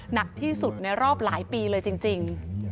หนักที่สุดในรอบหลายปีเลยจริง